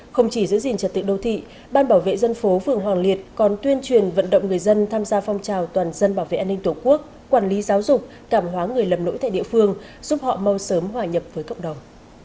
không chỉ giữ gìn trật tự đô thị ban bảo vệ dân phố phường hoàng liệt còn tuyên truyền vận động người dân tham gia phong trào toàn dân bảo vệ an ninh tổ quốc quản lý giáo dục cảm hóa người lầm lỗi tại địa phương giúp họ mau sớm hòa nhập với cộng đồng